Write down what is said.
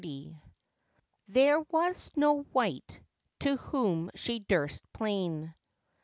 THER WAS NO WIGHT, TO WHOM SHE DUKSTE PLAIN.'